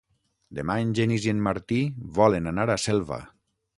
Demà en Genís i en Martí volen anar a Selva.